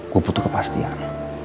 gue butuh kepastian